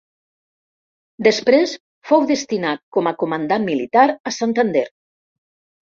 Després fou destinat com a comandant militar a Santander.